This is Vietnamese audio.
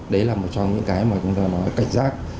đấy là một trong những cái mà chúng ta nói cảnh giác